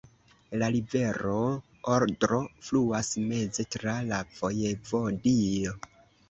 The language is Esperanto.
La rivero Odro fluas meze tra la vojevodio.